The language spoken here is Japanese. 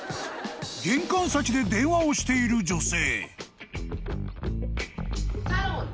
［玄関先で電話をしている女性］